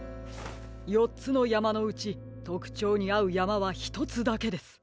よっつのやまのうちとくちょうにあうやまはひとつだけです。